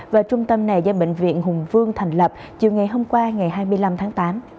và trung tâm này do bệnh viện hùng vương thành lập chiều ngày hôm qua ngày hai mươi năm tháng tám